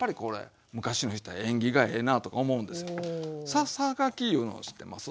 ささがきいうのをしてます。